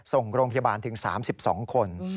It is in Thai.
ส่งโรงพยาบาลถึง๓๒คน